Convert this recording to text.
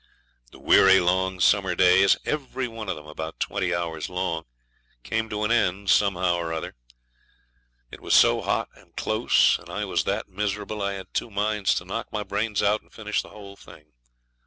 The weary long summer days every one of them about twenty hours long came to an end somehow or other. It was so hot and close and I was that miserable I had two minds to knock my brains out and finish the whole thing.